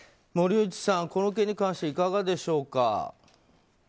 森内さん、この件に関していかがでしょうか。